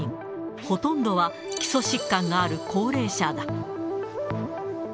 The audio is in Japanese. ほとんどは基礎疾患がある高齢者だ。